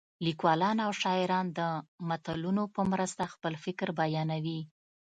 لیکوالان او شاعران د متلونو په مرسته خپل فکر بیانوي